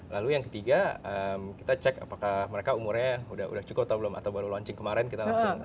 lalu yang ketiga kita cek apakah mereka umurnya sudah cukup atau belum atau baru launching kemarin kita launching